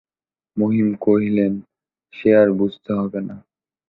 মহিম কহিলেন, সে আর বুঝতে হবে না।